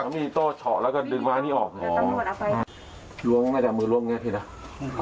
มีอีโต้เฉาะแล้วก็ดึงมามานี่ออกอ๋อตำลวดเอาไปรวงไม่ได้มือร่วมง่ายเทียด่ะ